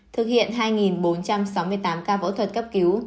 thực hiện hai bốn trăm sáu mươi tám ca phẫu thuật cấp cứu